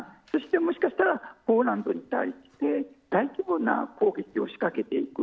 もしかしたらポーランドに対して大規模な攻撃を仕掛けていく。